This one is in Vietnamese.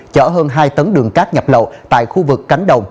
chở hơn hai tấn đường cát nhập lậu tại khu vực cánh đồng